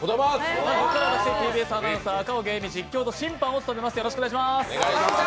ここからは私ＴＢＳアナウンサー・赤荻歩が実況と審判を務めます。